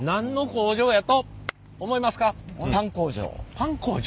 パン工場？